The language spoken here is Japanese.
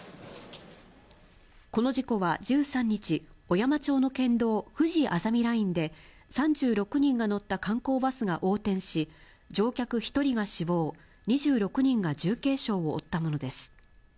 この事故は１３日、小山町の県道、ふじあざみラインで、３６人が乗った観光バスが横転し、乗客１人が死亡、２６人が重軽傷を負ったものです。